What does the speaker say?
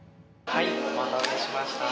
お待たせしました。